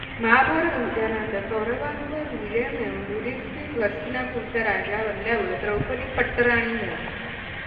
महाभारत युद्धानंतर कौरवांवर विजय मिळवून युधिष्ठिर हस्तिनापूरचा राजा बनल्यावर द्रौपदी पट्टराणी झाली.